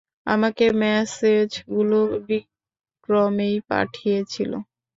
আমাকে মেসেজ গুলো বিক্রমেই পাঠিয়ে ছিল।